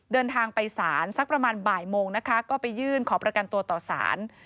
เดินทางไปศาลสักประมาณบ่ายโมงนะคะก็ไปยื่นขอประกันตัวต่อสาร